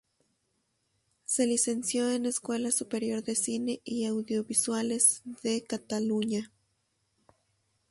Se licenció en Escuela Superior de Cine y Audiovisuales de Cataluña.